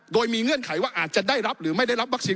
โดยมีเงื่อนไขว่าอาจจะได้รับหรือไม่ได้รับวัคซีน